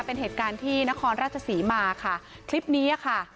เป็นเหตุการณ์ที่นครราชศรีมาค่ะคลิปนี้อ่ะค่ะ